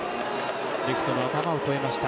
レフトの頭を越えました。